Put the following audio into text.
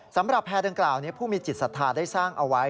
สำหรับแพร่เกล่าผู้มีจิตศัฏรณ์ได้สร้างเอาไว้